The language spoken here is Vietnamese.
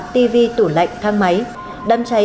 tivi tủ lạnh thang máy